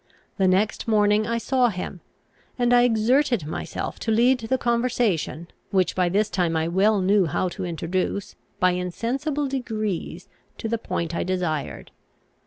The next morning I saw him, and I exerted myself to lead the conversation, which by this time I well knew how to introduce, by insensible degrees to the point I desired.